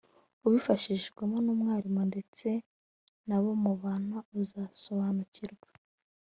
Ubifashijwemo n’umwarimu ndetse n’abo mubana uzasobanukirwa